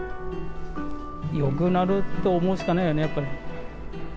まあ、よくなると思うしかないよね、やっぱり。